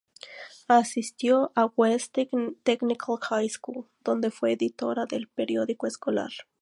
Asistió a West Technical High School, donde fue editora del periódico escolar.